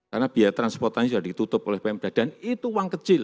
karena biaya transportasi sudah ditutup oleh pemerintah dan itu uang kecil